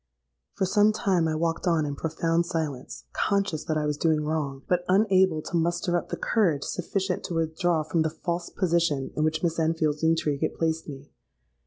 "For some time I walked on in profound silence, conscious that I was doing wrong, but unable to muster up the courage sufficient to withdraw from the false position in which Miss Enfield's intrigue had placed me.